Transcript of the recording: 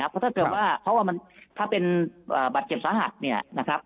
เพราะถ้าเกิดว่าเพราะว่ามันถ้าเป็นบัตรเจ็บสาหัสเนี่ยนะครับ